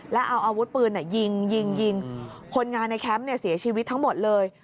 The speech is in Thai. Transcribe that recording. แล้วเอาอาวุธปืนยิงยิงคนงานในแคมป์เสียชีวิตทั้งหมดเลย